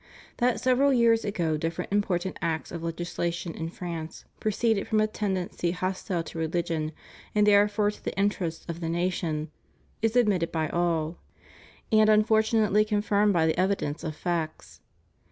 That several years ago different important acts of legislation in France proceeded from a tendency hostile to religion, and therefore to the interests of the nation, is admitted by all, and unfortunately confirmed by the evidence of facts.